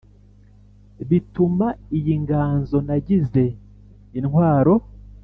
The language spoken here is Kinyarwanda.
bituma iyi nganzo nagize intwaro